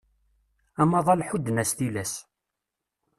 Amaḍal ḥudden-as tilas.